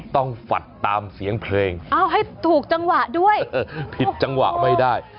ฝัดตามเสียงเพลงเอาให้ถูกจังหวะด้วยผิดจังหวะไม่ได้